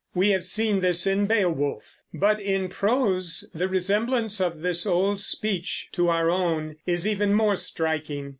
We have seen this in Beowulf; but in prose the resemblance of this old speech to our own is even more striking.